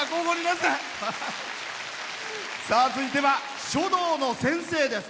続いては書道の先生です。